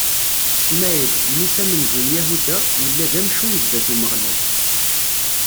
Smaɛil, mmi-s amenzu n Yahuda, yella d amcum zdat n Umeɣlal.